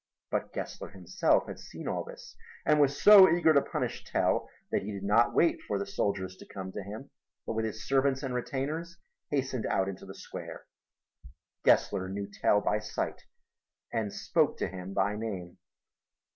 But Gessler himself had seen all this and was so eager to punish Tell that he did not wait for the soldiers to come to him, but with his servants and retainers hastened out into the square. Gessler knew Tell by sight and spoke to him by name.